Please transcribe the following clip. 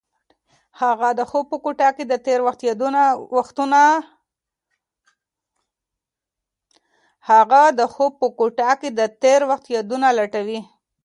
هغه د خوب په کوټه کې د تېر وخت یادونه لټوي.